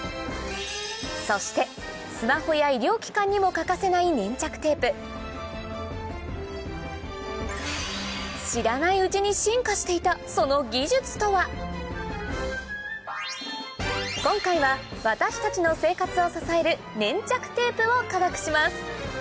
そしてスマホや医療機関にも欠かせない粘着テープ知らないうちに今回は私たちの生活を支える粘着テープを科学します